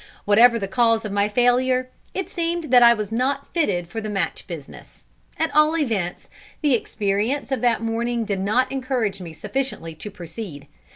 Whatever the cause of my failure, it seemed that I was not fitted for the match business. At all events, the experience of that morning did not encourage me sufficiently to proceed.